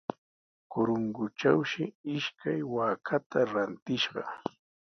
Corongotrawshi ishkay waakata rantishqa.